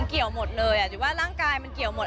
มันเกี่ยวหมดเลยอะหรือว่าร่างกายมันเกี่ยวหมด